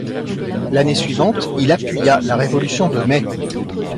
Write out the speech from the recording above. L’année suivante, il appuya la révolution de Mai.